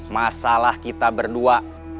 masalah kita berdua